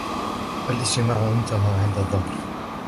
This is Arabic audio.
الاجتماع انتهى عند الظهر.